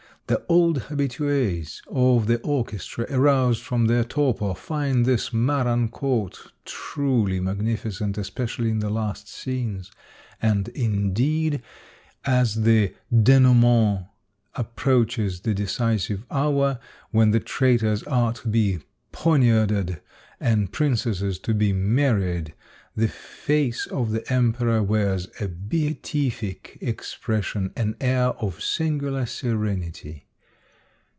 The old habitues of the orchestra, aroused from their torpor, find this Marancourt truly magnifi cent, especially in the last scenes. And indeed, as the dMotlmeiit approaches the decisive hour when the traitors are to be poniarded, and princesses to be married, the face of the emperor wears a beatific expression, an air of singular serenity.